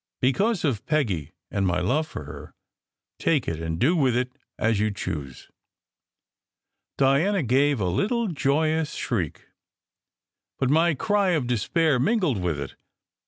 Because of Peggy and my love for her, take it and do with it as you choose." Diana gave a little joyous shriek, but my cry of despair mingled with it.